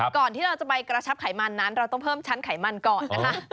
ก่อนที่เราจะไปกระชับไขมันนั้นเราต้องเพิ่มชั้นไขมันก่อนนะคะ